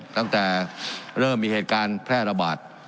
ตั้งแต่เริ่มมีเหตุการณ์แพร่ระบาด